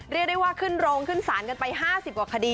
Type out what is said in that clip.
เรียกได้ว่าขึ้นโรงขึ้นศาลกันไป๕๐กว่าคดี